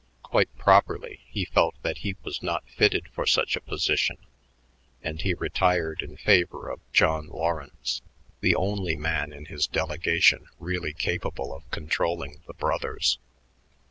Quite properly, he felt that he was not fitted for such a position; and he retired in favor of John Lawrence, the only man in his delegation really capable of controlling the brothers.